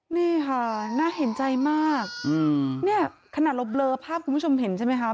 นี่ค่ะน่าเห็นใจมากเนี่ยขนาดเราเบลอภาพคุณผู้ชมเห็นใช่ไหมคะ